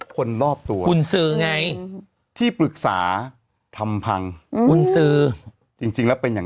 คนรอบตัวคุณซื้อไงที่ปรึกษาทำพังกุญสือจริงแล้วเป็นอย่าง